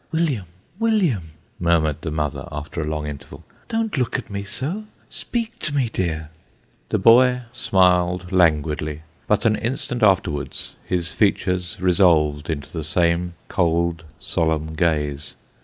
" William, William !" murmured the mother, after a long interval, " don't look at me so speak to me, dear !" The boy smiled languidly, but an instant afterwards his features resolved into the same cold, solemn gaze.